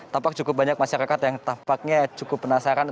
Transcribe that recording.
tampak cukup banyak masyarakat yang tampaknya cukup penasaran